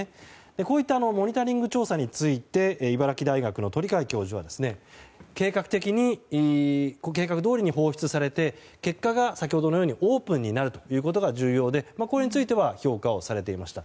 こういったモニタリング調査について茨城大学の鳥養教授は計画どおりに放出されて結果が先ほどのようにオープンになることが重要でこれについては評価をされていました。